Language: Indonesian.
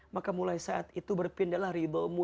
maka mulai saat itu berpindahlah riba mu